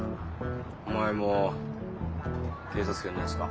お前も警察犬のやつか？